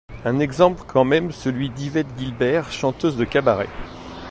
Un exemple quand même, celui d’Yvette Guilbert, chanteuse de cabaret.